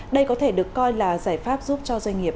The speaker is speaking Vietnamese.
đây có thể được coi là giải pháp giúp cho doanh nghiệp